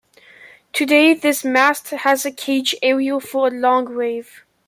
Today this mast has a cage aerial for long wave.